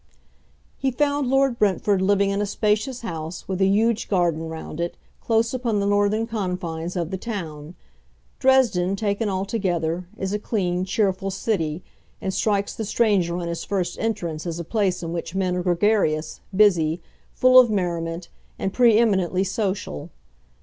He found Lord Brentford living in a spacious house, with a huge garden round it, close upon the northern confines of the town. Dresden, taken altogether, is a clean cheerful city, and strikes the stranger on his first entrance as a place in which men are gregarious, busy, full of merriment, and pre eminently social.